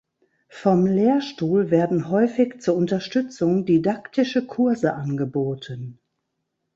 Vom Lehrstuhl werden häufig zur Unterstützung didaktische Kurse angeboten.